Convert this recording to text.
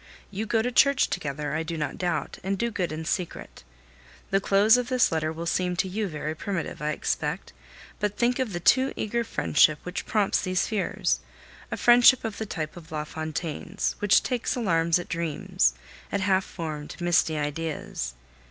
You go to church together, I do not doubt, and do good in secret. The close of this letter will seem to you very primitive, I expect, but think of the too eager friendship which prompts these fears a friendship of the type of La Fontaine's, which takes alarms at dreams, at half formed, misty ideas.